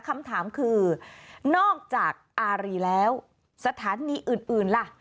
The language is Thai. คำถามคือนอกจากอารีแล้วสถานีอื่นล่ะ